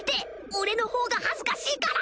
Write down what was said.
俺のほうが恥ずかしいから